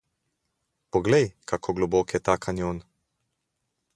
Poglej, kako globok je ta kanjon!